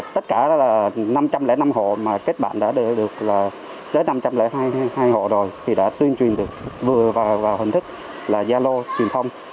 tất cả năm trăm linh năm hộ kết bạn đến năm trăm linh hai hộ rồi thì đã tuyên truyền được vừa vào hình thức giao lô truyền thông